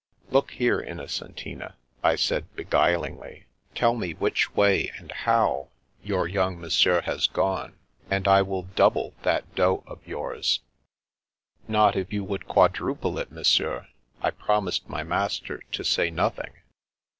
"Look here, Innocentina," I said beguilingly, "tell me which way, and how, your young Mon sieur has gone, and I will double that dot of yours." " Not if you would quadruple it, Monsieur. I promised my master to say nothing."